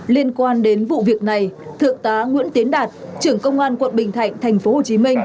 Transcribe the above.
liên quan đến vụ việc này thượng tá nguyễn tiến đạt trưởng công an quận bình thạnh tp hcm